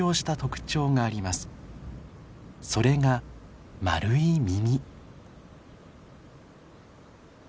それがまるい耳。